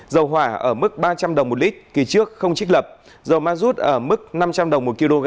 dầu hỏa ở mức ba trăm linh đồng một lít kỳ trước không trích lập dầu ma rút ở mức năm trăm linh đồng một kg